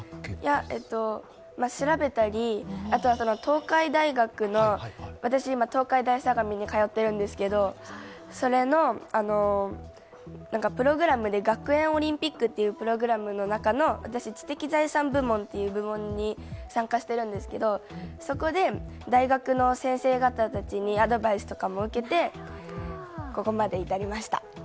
いや、調べたり、あとは東海大学の、東海大相模に通っているんですけどそれの、学園オリンピックというプログラムの中の私、知的財産部門という部門に参加してるんですけど、そこで大学の先生たちにアドバイスも受けてここまでに至りました。